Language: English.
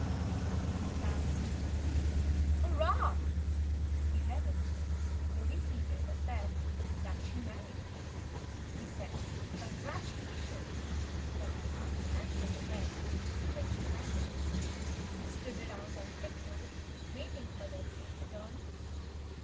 At last "Hurrah!" We read it. The weekly paper said. That she married! We sent congratulations, from the heart and from the head— When she married; We stood around on tip toe, waiting for their safe return.